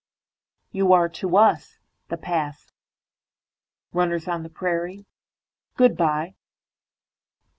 You areTo us:The past. RunnersOn the prairie:Good by.